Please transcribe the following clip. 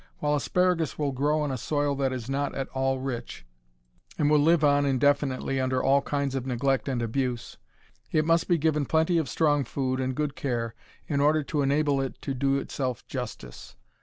While asparagus will grow in a soil that is not at all rich, and will live on indefinitely under all kinds of neglect and abuse, it must be given plenty of strong food and good care in order to enable it to do itself justice.